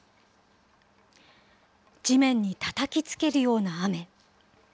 地面にたたきつけるような雨。